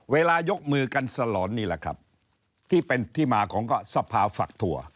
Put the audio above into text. ยกมือกันสลอนนี่แหละครับที่เป็นที่มาของก็สภาฝักถั่ว